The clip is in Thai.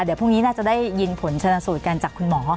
เดี๋ยวพรุ่งนี้น่าจะได้ยินผลชนสูตรกันจากคุณหมอ